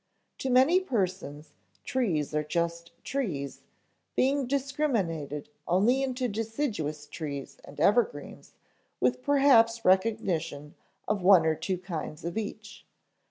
To many persons trees are just trees, being discriminated only into deciduous trees and evergreens, with perhaps recognition of one or two kinds of each.